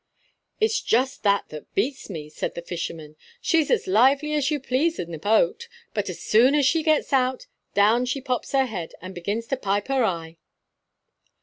"It's just that that beats me," said the fisherman; "she's as lively as you please in the boat, but as soon as she gets out, down she pops her head, and begins to pipe her eye."